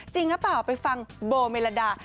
จริงหรือเปล่าไปฟังโบเมลดา